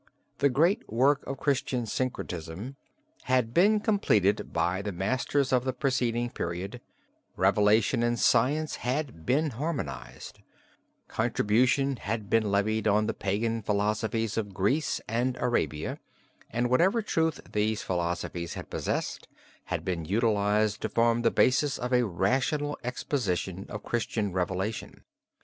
The great work of Christian syncretism had been completed by the masters of the preceding period; revelation and science had been harmonized; contribution had been levied on the pagan philosophies of Greece and Arabia, and whatever truth these philosophies had possessed had been utilized to form the basis of a rational exposition of Christian revelation.